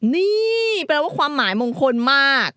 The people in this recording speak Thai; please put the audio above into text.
นี่แปลว่าความหมายมงคลมาก